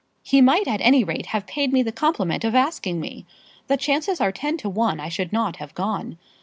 "He might at any rate have paid me the compliment of asking me. The chances are ten to one I should not have gone.